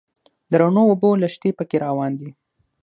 د رڼو اوبو لښتي په کې روان دي.